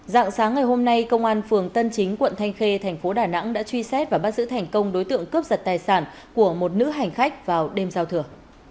dạng sáng ngày hôm nay công an phường tân chính quận thanh khê thành phố đà nẵng đã truy xét và bắt giữ thành công đối tượng cướp giật tài sản của một nữ hành khách vào đêm giao thừa